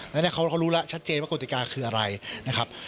แล้วเขารู้แล้วชัดเจนว่ากติกาคืออะไรนะครับ